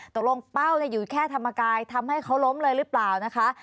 เป้าอยู่แค่ธรรมกายทำให้เขาล้มเลยหรือเปล่านะคะ